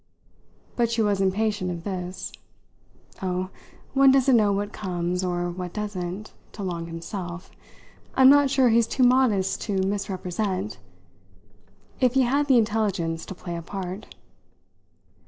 But she was impatient of this. "Oh, one doesn't know what comes or what doesn't to Long himself! I'm not sure he's too modest to misrepresent if he had the intelligence to play a part."